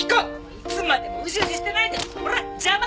いつまでもウジウジしてないでオラッ邪魔！